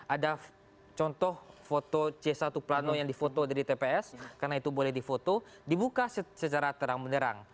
ada contoh foto c satu plano yang difoto dari tps karena itu boleh di foto dibuka secara terang benerang